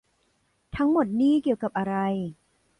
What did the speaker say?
ทั้งหมดนี่เกี่ยวกับอะไร